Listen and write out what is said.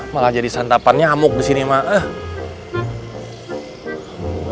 malah jadi santapan nyamuk di sini mak